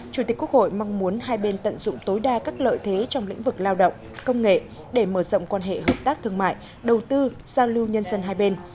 chủ tịch quốc hội mong muốn hai bên tận dụng tối đa các lợi thế trong lĩnh vực lao động công nghệ để mở rộng quan hệ hợp tác thương mại đầu tư giao lưu nhân dân hai bên